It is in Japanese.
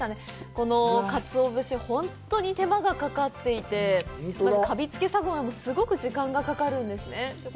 このかつお節、本当に手間がかかっていて、かびつけ作業もすごく時間がかかるんですね。